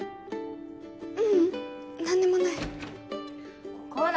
ううん何でもないこら